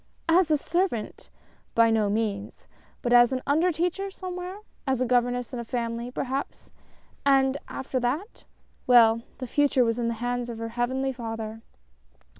As a servant? By no means! but as an under teacher, somewhere — a governess in a family, perhaps — and after that? Well — the Future was in the hands of her Heavenly Father.